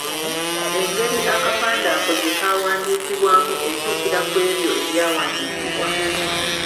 Engeri akapande ako gye kaawandiibwamu etuukira ku ebyo ebyawandiikibwa.